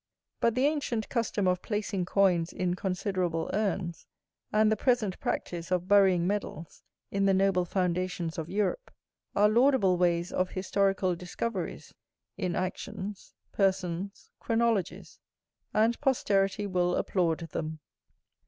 But the ancient custom of placing coins in considerable urns, and the present practice of burying medals in the noble foundations of Europe, are laudable ways of historical discoveries, in actions, persons, chronologies; and posterity will applaud them.